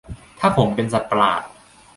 ถ้าผมเป็นสัตว์ประหลาด